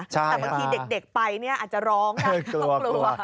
แต่บางทีเด็กไปอาจจะร้องต้องกลัว